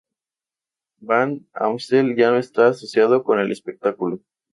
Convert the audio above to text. Van Amstel ya no está asociado con el espectáculo.